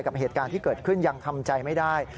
กับเหตุการณ์ที่เกิดขึ้นยังทำใจไม่ได้